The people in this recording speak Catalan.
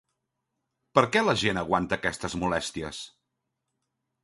Per què la gent aguanta aquestes molèsties?